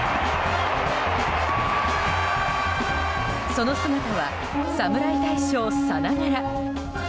その姿は侍大将さながら。